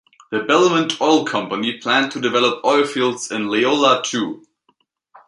The Belmont Oil Company planned to develop oil fields in Leola, too.